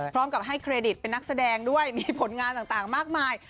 พร้อมกับให้เครดิตเป็นนักแสดงด้วยมีผลงานต่างมากมาย